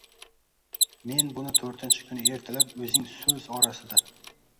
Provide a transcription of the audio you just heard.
Men buni to‘rtinchi kuni ertalab, o‘zing so‘z orasida: